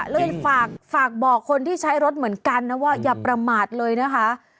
เลยฝากบอกคนที่ใช้รถเหมือนกันนะว่าอย่าประมาทเลยนะคะ